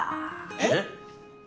えっ？